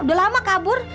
sudah lama kabur